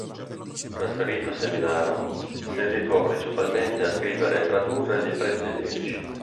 Trasferitosi a Milano, si dedicò principalmente a scrivere e tradurre libretti lirici.